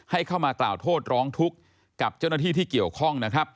ให้เข้ามาต่อโทษร้องทุกกับเจ้าหน้าที่ที่เกี่ยวข้อง